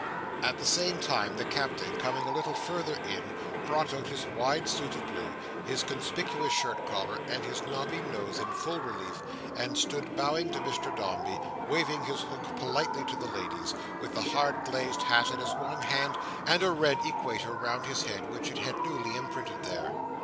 At the same time the Captain, coming a little further in, brought out his wide suit of blue, his conspicuous shirt collar, and his knobby nose in full relief, and stood bowing to Mr Dombey, and waving his hook politely to the ladies, with the hard glazed hat in his one hand, and a red equator round his head which it had newly imprinted there.